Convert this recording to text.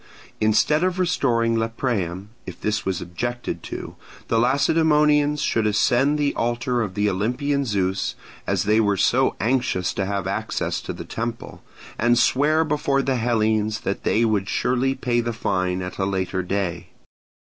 Instead of restoring Lepreum, if this was objected to, the Lacedaemonians should ascend the altar of the Olympian Zeus, as they were so anxious to have access to the temple, and swear before the Hellenes that they would surely pay the fine at a later day.